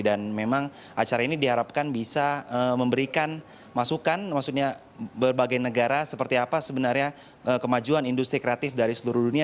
dan memang acara ini diharapkan bisa memberikan masukan maksudnya berbagai negara seperti apa sebenarnya kemajuan industri kreatif dari seluruh dunia